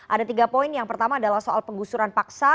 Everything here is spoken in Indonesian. ada tiga poin yang pertama adalah soal penggusuran paksa